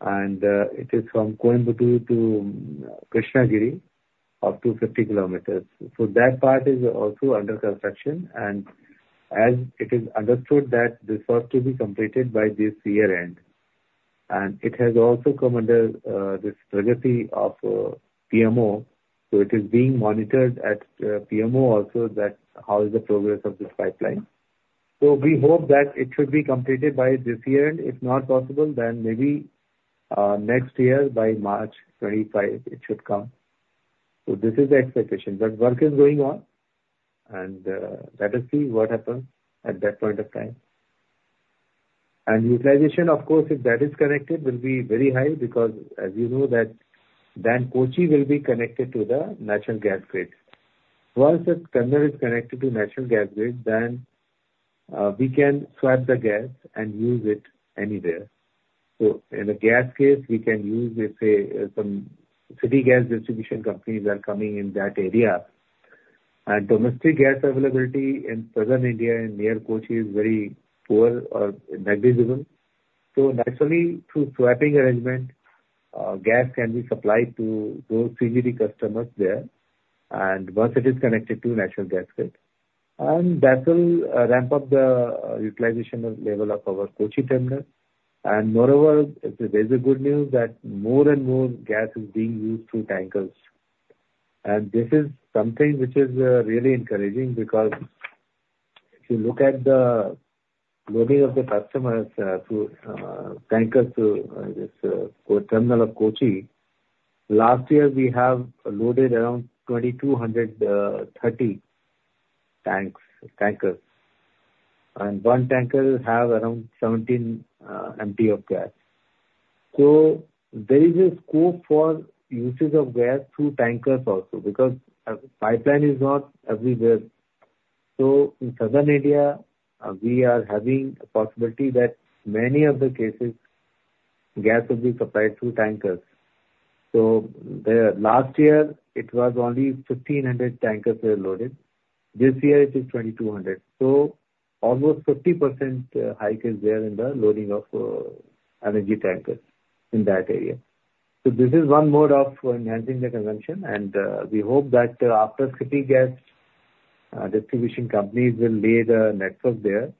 and, it is from Coimbatore to Krishnagiri, up to 50 kilometers. So that part is also under construction, and as it is understood that this was to be completed by this year end. And it has also come under, the strategy of, PMO, so it is being monitored at, PMO also, that how is the progress of this pipeline. So we hope that it should be completed by this year end. If not possible, then maybe, next year by March 2025, it should come. So this is the expectation, but work is going on, and, let us see what happens at that point of time. Utilization, of course, if that is connected, will be very high, because as you know that then Kochi will be connected to the natural gas grid. Once the terminal is connected to natural gas grid, then, we can swap the gas and use it anywhere. So in the gas case, we can use, let's say, some city gas distribution companies are coming in that area. And domestic gas availability in southern India and near Kochi is very poor or negligible. So naturally, through swapping arrangement, gas can be supplied to those CGD customers there, and once it is connected to natural gas grid. And that will, ramp up the, utilization level of our Kochi terminal. And moreover, there's a good news that more and more gas is being used through tankers. This is something which is really encouraging, because if you look at the loading of the customers through tankers to this terminal of Kochi, last year we have loaded around 2,230 tankers, and one tanker have around 17 MT of gas. So there is a scope for usage of gas through tankers also, because pipeline is not everywhere. So in southern India, we are having a possibility that many of the cases, gas will be supplied through tankers. So last year, it was only 1,500 tankers were loaded. This year it is 2,200. So almost 50% hike is there in the loading of energy tankers in that area. So this is one more of enhancing the consumption, and we hope that after city gas distribution companies will lay the network there,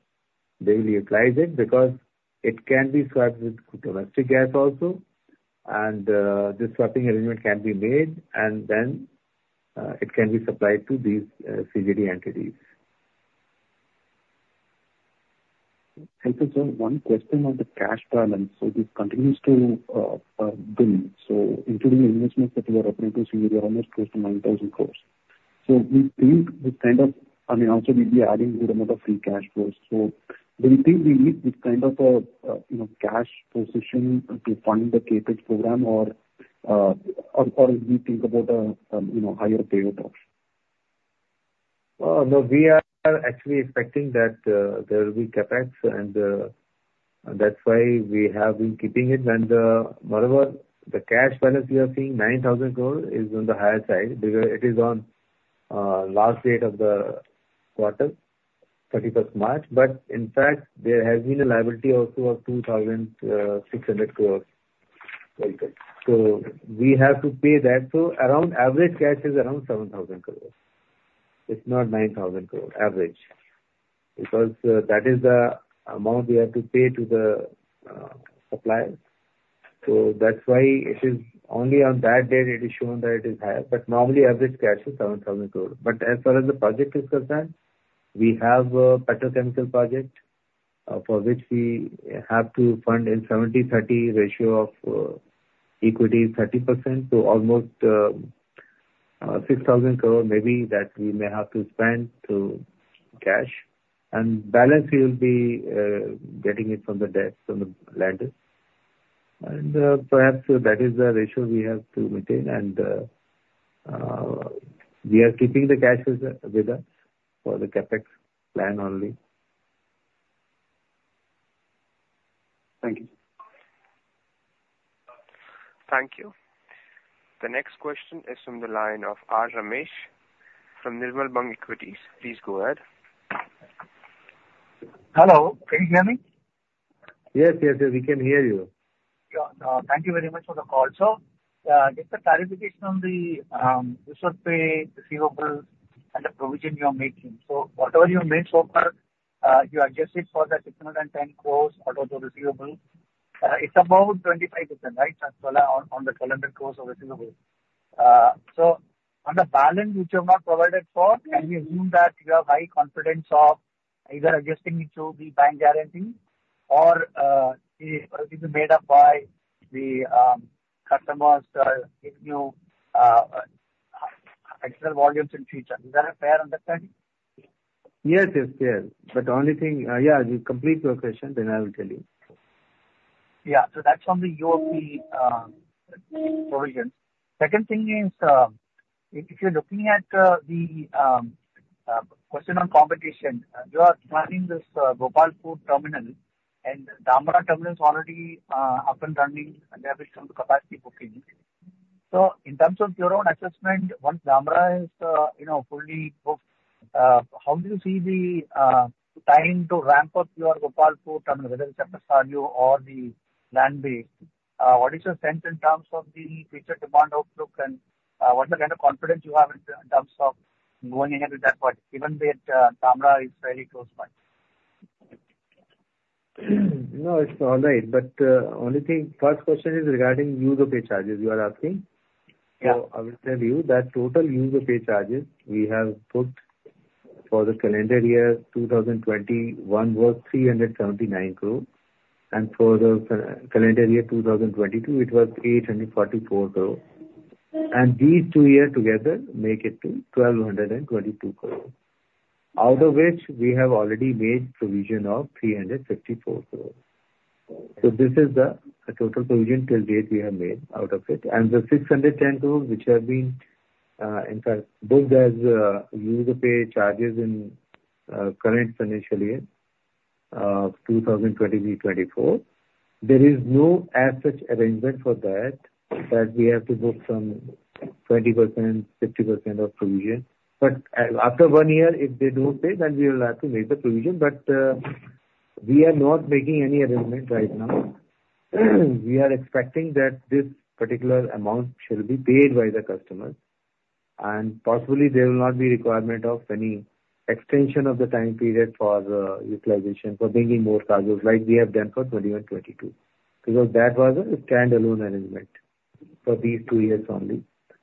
they will utilize it, because it can be swapped with domestic gas also. And this swapping arrangement can be made, and then it can be supplied to these CGD entities. Thank you, sir. One question on the cash balance. So this continues to build, so including the investments that you are operating, you are almost close to 9,000 crore. So we think this kind of, I mean, also we'll be adding good amount of free cash flows. So do you think we need this kind of a, you know, cash position to fund the CapEx program, or, or we think about a, you know, higher payout off?... No, we are actually expecting that there will be CapEx, and that's why we have been keeping it. Moreover, the cash balance we are seeing, 9,000 crore, is on the higher side, because it is on last date of the quarter, 31 March. But in fact, there has been a liability also of 2,600 crore. So we have to pay that. So around average cash is around 7,000 crore. It's not 9,000 crore, average. Because that is the amount we have to pay to the suppliers. So that's why it is only on that date, it is shown that it is higher, but normally average cash is 7,000 crore. But as far as the project is concerned, we have a petrochemical project, for which we have to fund in 70/30 ratio of equity 30%, so almost 6,000 crore maybe that we may have to spend through cash, and balance we will be getting it from the debt, from the lenders. And perhaps that is the ratio we have to maintain, and we are keeping the cash with, with us for the CapEx plan only. Thank you. Thank you. The next question is from the line of Ramesh Sankaranarayanan from Nirmal Bang Equities. Please go ahead. Hello, can you hear me? Yes, yes, yes, we can hear you. Yeah. Thank you very much for the call, sir. Just a clarification on the Use-or-Pay receivable and the provision you are making. So whatever you made so far, you adjusted for the INR 610 crore out of the receivable. It's about 25%, right? That's on the 1,200 crore of receivable. So on the balance which you have not provided for, can you rule that you have high confidence of either adjusting it to the bank guarantee, or it will be made up by the customers giving you extra volumes in future. Is that a fair understanding? Yes, yes, yes. But the only thing, yeah, you complete your question, then I will tell you. Yeah. So that's on the UOP provision. Second thing is, if you're looking at the question on competition, you are planning this Gopalpur terminal, and Dhamra terminal is already up and running, and they have reached on the capacity booking. So in terms of your own assessment, once Dhamra is, you know, fully booked, how do you see the time to ramp up your Gopalpur terminal, whether it's FSRU or the land-based? What is your sense in terms of the future demand outlook, and what kind of confidence you have in terms of going ahead with that part, even with Dhamra is fairly close by? No, it's all right. But, only thing, first question is regarding Use-or-Pay charges you are asking? Yeah. So I will tell you that total Use-or-Pay charges we have put for the calendar year 2021 was 379 crore, and for the calendar year 2022, it was 844 crore. And these two years together make it to 1,222 crore, out of which we have already made provision of 354 crore. So this is the total provision to date we have made out of it. And the 610 crore, which have been in fact booked as Use-or-Pay charges in current financial year 2023-2024, there is no such arrangement for that that we have to book some 20%, 50% of provision. But after one year, if they don't pay, then we have to make the provision. But, we are not making any arrangement right now. We are expecting that this particular amount shall be paid by the customer, and possibly there will not be requirement of any extension of the time period for the utilization, for bringing more cargos, like we have done for 2021, 2022. Because that was a standalone arrangement for these two years only.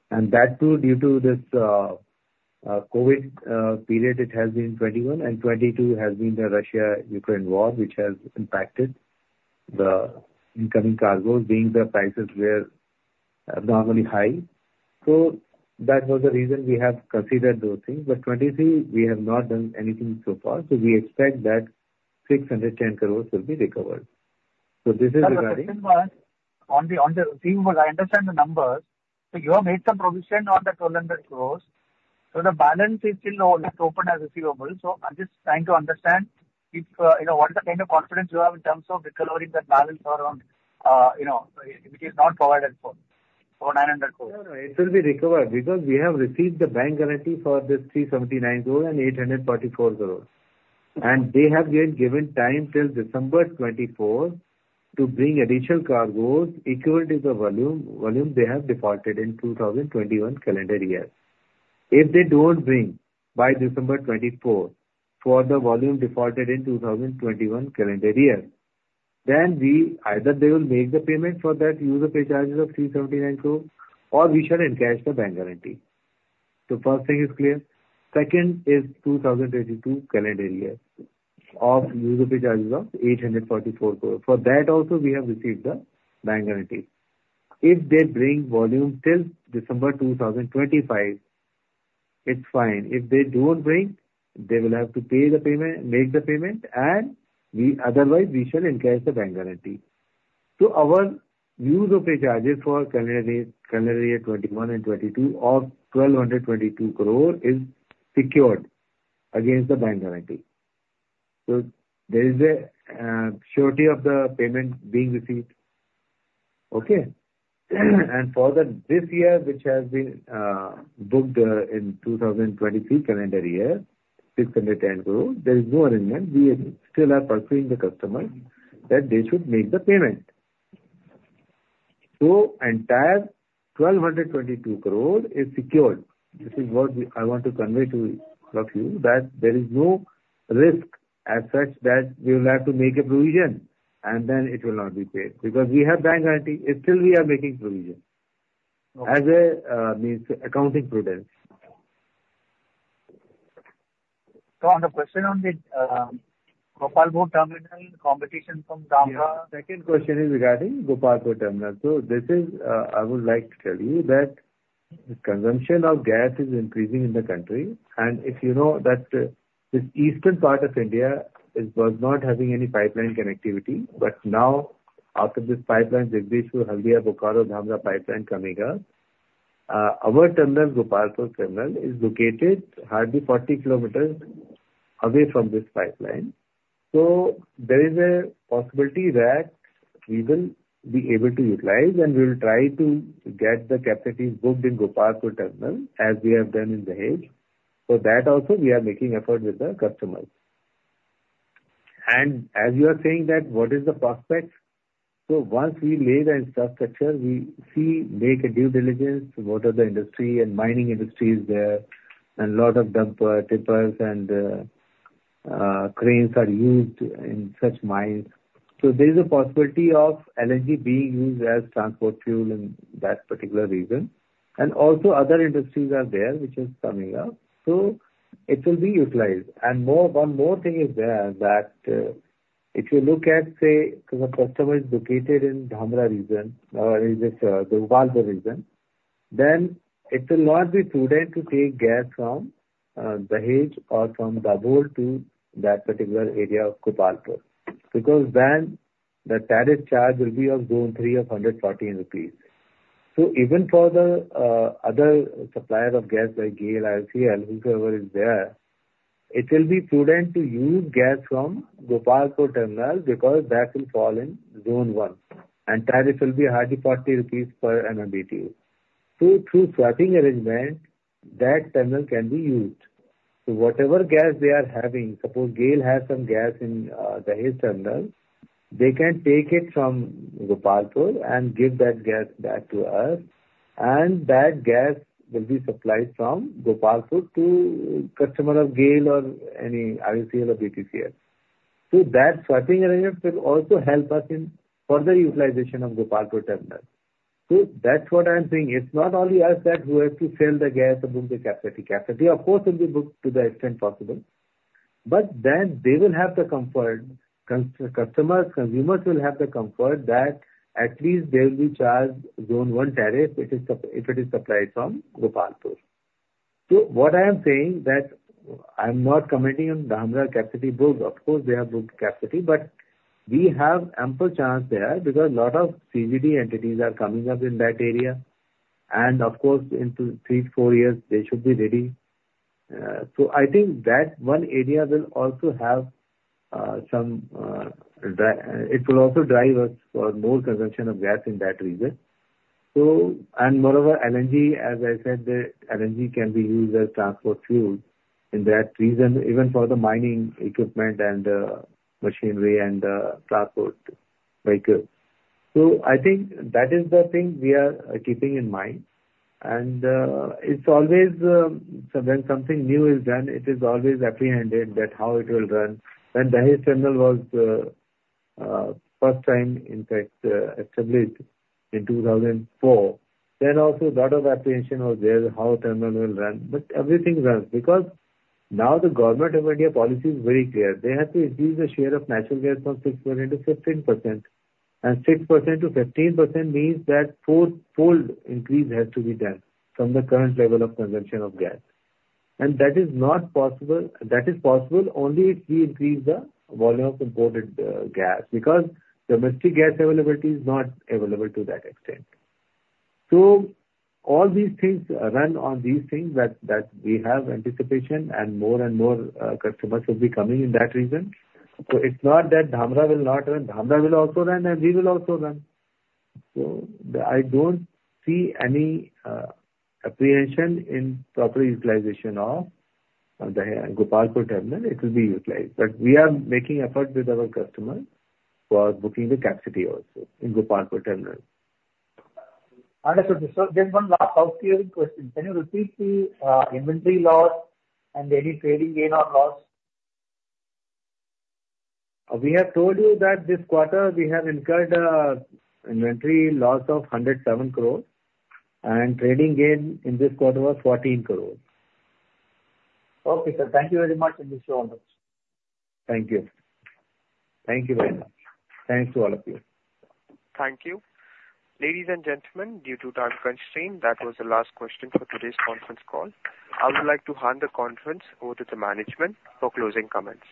And that too, due to this, COVID period, it has been 2021, and 2022 has been the Russia-Ukraine war, which has impacted the incoming cargos, being the prices were abnormally high. So that was the reason we have considered those things. But 2023, we have not done anything so far, so we expect that 610 crore will be recovered. So this is regarding-... Sir, the second one, on the, I understand the numbers. So you have made some provision on the INR 1,200 crore, so the balance is still left open as receivable. So I'm just trying to understand if, you know, what is the kind of confidence you have in terms of recovering the balance around, you know, which is not provided for, 900 crore? No, no, it will be recovered because we have received the bank guarantee for this 379 crore and 844 crore. And they have been given time till December 2024 to bring additional cargos equivalent to the volume, volume they have defaulted in 2021 calendar year. If they don't bring by December 2024 for the volume defaulted in 2021 calendar year, then we, either they will make the payment for that Use-or-Pay charges of 379 crore, or we shall encash the bank guarantee. So first thing is clear. Second is 2022 calendar year of Use-or-Pay charges of 844 crore. For that also, we have received the bank guarantee. If they bring volume till December 2025, it's fine. If they don't bring, they will have to pay the payment, make the payment, and we—otherwise we shall encash the bank guarantee. So our user charges for calendar year 2021 and 2022 of 1,222 crore is secured against the bank guarantee. So there is a surety of the payment being received. Okay? And for this year, which has been booked in 2023 calendar year, 610 crore, there is no arrangement. We still are pursuing the customer that they should make the payment. So entire 1,222 crore is secured. This is what we, I want to convey to all of you, that there is no risk as such that we will have to make a provision, and then it will not be paid. Because we have bank guarantee, and still we are making provision, as a means accounting prudence. On the question on the Gopalpur terminal competition from Dhamra? Yeah. Second question is regarding Gopalpur terminal. So this is, I would like to tell you that the consumption of gas is increasing in the country, and if you know that, this eastern part of India is, was not having any pipeline connectivity, but now out of this pipeline, Jagdishpur-Haldia-Bokaro-Dhamra pipeline coming up, our terminal, Gopalpur terminal, is located hardly 40 kilometers away from this pipeline. So there is a possibility that we will be able to utilize, and we will try to get the capacity booked in Gopalpur terminal, as we have done in Dahej. For that also, we are making effort with the customers. And as you are saying that, what is the prospects? So once we lay the infrastructure, we see, make a due diligence, what are the industry and mining industries there, and lot of dumper, tippers and cranes are used in such mines. So there is a possibility of LNG being used as transport fuel in that particular region. And also other industries are there, which is coming up, so it will be utilized. And more, one more thing is there, that, if you look at, say, if a customer is located in Dhamra region or in this, Gopalpur region, then it will not be prudent to take gas from, Dahej or from Dabhol to that particular area of Gopalpur, because then the tariff charge will be of Zone Three, of 114 rupees. So even for the other supplier of gas, like GAIL, IOCL, whosoever is there, it will be prudent to use gas from Gopalpur terminal, because that will fall in Zone One, and tariff will be hardly 40 rupees per MMBtu. So through swapping arrangement, that terminal can be used. So whatever gas they are having, suppose GAIL has some gas in Dahej terminal, they can take it from Gopalpur and give that gas back to us, and that gas will be supplied from Gopalpur to customer of GAIL or any IOCL or BPCL. So that swapping arrangement will also help us in further utilization of Gopalpur terminal. So that's what I'm saying. It's not only us that we have to sell the gas to book the capacity. Capacity, of course, will be booked to the extent possible. But then they will have the comfort, customers, consumers will have the comfort that at least they will be charged Zone One tariff if it is supplied from Gopalpur. So what I am saying, that I'm not commenting on Dhamra capacity booking. Of course, we have booked capacity, but we have ample capacity there, because a lot of CGD entities are coming up in that area. Of course, in three, four years, they should be ready. So I think that one area will also have some, it will also drive us for more consumption of gas in that region. So, and moreover, LNG, as I said, the LNG can be used as transport fuel in that region, even for the mining equipment and machinery and transport vehicles. So I think that is the thing we are keeping in mind. And it's always, so when something new is done, it is always apprehended that how it will run. When Dahej terminal was first time, in fact, established in 2004, then also a lot of apprehension was there, how terminal will run. But everything runs, because now the Government of India policy is very clear. They have to increase the share of natural gas from 6% to 15%. And 6% to 15% means that fourfold increase has to be done from the current level of consumption of gas. And that is not possible. That is possible only if we increase the volume of imported gas, because domestic gas availability is not available to that extent. So all these things run on these things that we have anticipation, and more and more customers will be coming in that region. So it's not that Dhamra will not run, Dhamra will also run, and we will also run. So I don't see any apprehension in proper utilization of the Gopalpur terminal. It will be utilized. But we are making effort with our customer for booking the capacity also in Gopalpur terminal. Understood, sir. Just one last housekeeping question. Can you repeat the inventory loss and any trading gain or loss? We have told you that this quarter we have incurred inventory loss of 107 crore, and trading gain in this quarter was 14 crore. Okay, sir. Thank you very much, and wish you all the best. Thank you. Thank you very much. Thanks to all of you. Thank you. Ladies and gentlemen, due to time constraint, that was the last question for today's conference call. I would like to hand the conference over to the management for closing comments.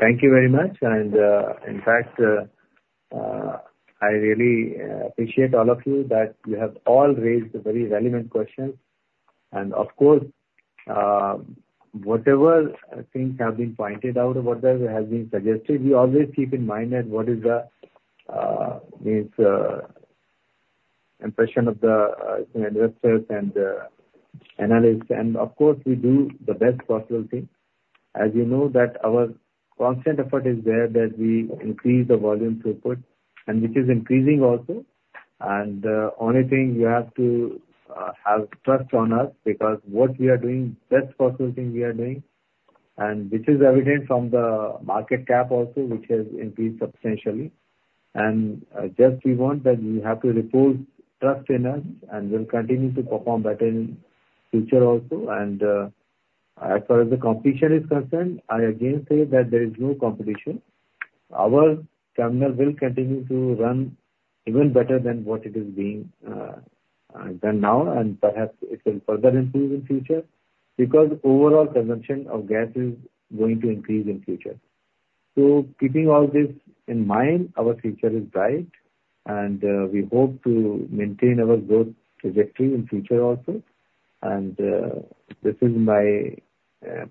Thank you very much. And, in fact, I really appreciate all of you, that you have all raised very relevant questions. And of course, whatever things have been pointed out, whatever has been suggested, we always keep in mind that what is the means, impression of the investors and analysts. And of course, we do the best possible thing. As you know, that our constant effort is there, that we increase the volume throughput, and which is increasing also. And, only thing you have to have trust on us, because what we are doing, best possible thing we are doing, and which is evident from the market cap also, which has increased substantially. And, just we want that you have to repose trust in us, and we'll continue to perform better in future also. As far as the competition is concerned, I again say that there is no competition. Our terminal will continue to run even better than what it is being done now, and perhaps it will further improve in future, because overall consumption of gas is going to increase in future. Keeping all this in mind, our future is bright, and we hope to maintain our growth trajectory in future also. This is my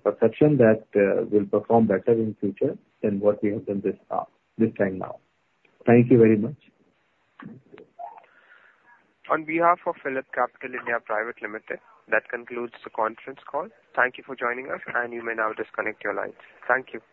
perception, that we'll perform better in future than what we have done this far, this time now. Thank you very much. On behalf of PhillipCapital (India) Private Limited, that concludes the conference call. Thank you for joining us, and you may now disconnect your lines. Thank you.